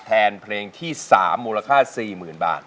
แทนเพลงที่๓มูลค่า๔๐๐๐บาท